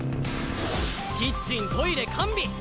キッチントイレ完備！